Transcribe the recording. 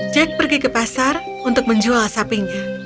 jack pergi ke pasar untuk menjual sapinya